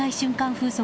風速